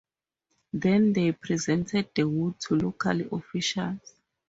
Then they presented the wood to local officials.